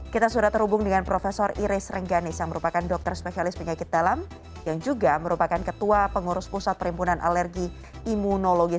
kita sudah terhubung dengan prof iris rengganis yang merupakan dokter spesialis penyakit dalam yang juga merupakan ketua pengurus pusat perimpunan alergi imunologi